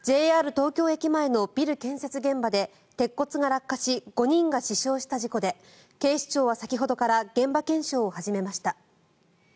東京駅前のビル建設現場で鉄骨が落下し５人が死傷した事故で警視庁は先ほどから現場検証を始めました。